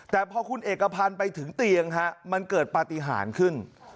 แต่พอคุณเอกพันธ์ไปถึงเตียงมันเกิดปฏิหารขึ้น